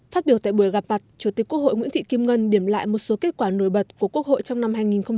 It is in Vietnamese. phát biểu tại buổi gặp mặt chủ tịch quốc hội nguyễn thị kim ngân điểm lại một số kết quả nổi bật của quốc hội trong năm hai nghìn hai mươi